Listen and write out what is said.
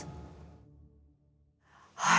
はい。